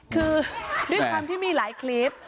คือด้วยความที่มีหลายคลิป